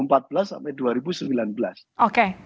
tapi sama sama punya iris